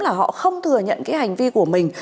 là họ không thừa nhận cái hành vi của mình